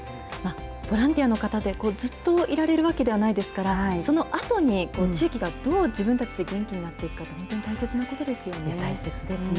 ボランティアの方って、ずっといられるわけではないですから、そのあとに地域がどう自分たちで元気になっていくかって、本当に大大切ですね。